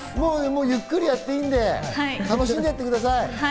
ゆっくりやっていいんで楽しんでやってください。